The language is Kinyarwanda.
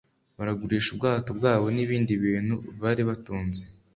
baragurisha ubwato bwabo n'ibindi bintu bari batunze.